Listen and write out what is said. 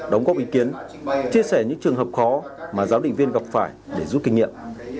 đóng góp ý kiến chia sẻ những trường hợp khó mà giám định viên gặp phải để giúp kinh nghiệm